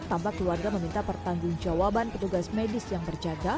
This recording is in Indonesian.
tampak keluarga meminta pertanggung jawaban petugas medis yang berjaga